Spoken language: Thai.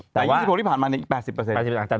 หลาย๒๖ที่ผ่านมาเนี่ย๘๐